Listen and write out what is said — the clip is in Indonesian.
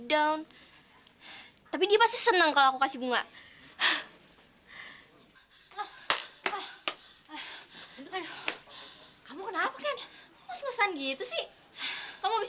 down tapi dia pasti senang kalau aku kasih bunga aduh kamu kenapa kayaknya mulus ngosan gitu sih kamu habis